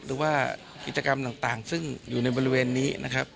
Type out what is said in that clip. หรือว่ากิจกรรมต่างซึ่งอยู่ในบริเวณนี้นะครับ